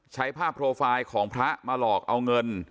ใช้ภาพโปรไฟล์ของพระมาหลอกเอาเงิน